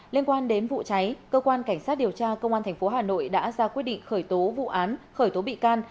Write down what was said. liên quan đến vụ cháy cơ quan cảnh sát điều tra công an tp hà nội đã ra quyết định khởi tố vụ án khởi tố bị can